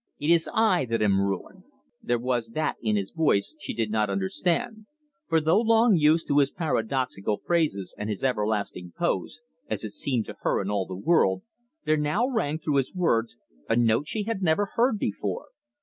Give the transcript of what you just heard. It is I that am ruined!" There was that in his voice she did not understand, for though long used to his paradoxical phrases and his everlasting pose as it seemed to her and all the world there now rang through his words a note she had never heard before.